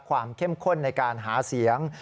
เข้มข้นในการหาเสียง